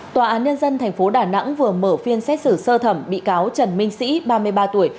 tòa án nhân dân tp đà nẵng vừa mở phiên xét xử sơ thẩm bị cáo trần minh sĩ ba mươi ba tuổi